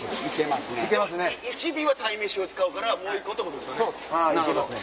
１尾は鯛めし用で使うからもう１個ってことですよね。